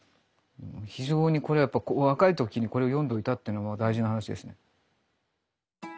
非常にこれやっぱ若い時にこれを読んどいたっていう大事な話ですね。